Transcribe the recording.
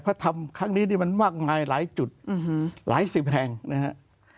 เพราะทำครั้งนี้นี่มันมากมายหลายจุดหลายสิบแห่งนะครับ